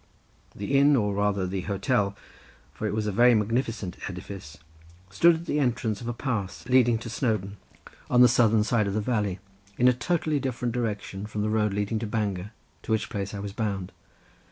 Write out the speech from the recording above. The inn, or rather the hotel, for it was a very magnificent edifice, stood at the entrance of a pass leading to Snowdon, on the southern side of the valley in a totally different direction from the road leading to Bangor, to which place I was bound.